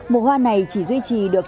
một hoa này chỉ duy trì được